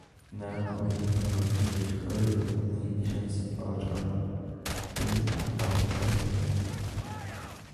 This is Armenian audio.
Նրանք ավելի բարակ են, երկար և ունեին իրենց առանդին փաթեթավորումը։